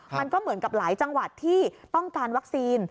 มันก็เหมือนกับหลายจังหวัดที่ต้องการวัคซีน